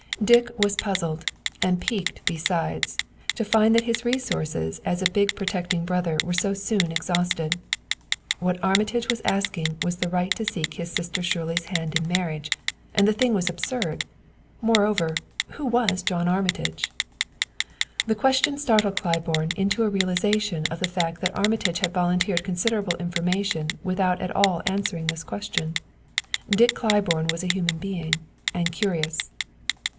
Dick was puzzled, and piqued besides, to find that his resources as a big protecting brother were so soon exhausted. What Armitage was asking was the right to seek his sister Shirley's hand in marriage, and the thing was absurd. Moreover, who was John Armitage? The question startled Claiborne into a realization of the fact that Armitage had volunteered considerable information without at all answering this question. Dick Claiborne was a human being, and curious.